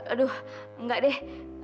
aduh enggak deh